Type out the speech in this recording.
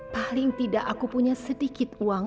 paling tidak aku punya sedikit uang